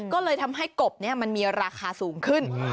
ก็เลยทำให้กบนี้มันมีราคาสูงขึ้น